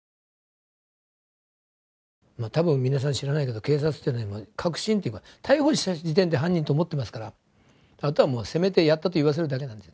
多分皆さん知らないけど警察というのは確信というか逮捕した時点で犯人と思ってますからあとはもう責めて「やった」と言わせるだけなんですよね。